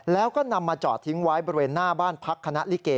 แล้วก็นำมาจอดทิ้งไว้บริเวณหน้าบ้านพักคณะลิเก